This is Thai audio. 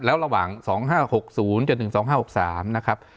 ที่ตั้งระหว่าง๒๕๖๐๒๕๖๓นะครับ